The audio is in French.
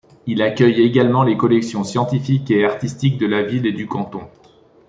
Il accueille également les collections scientifiques et artistiques de la ville et du canton.